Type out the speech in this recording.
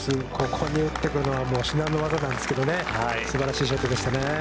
ここに持ってくるのは至難の業なんですけどね、すばらしいショットでしたね。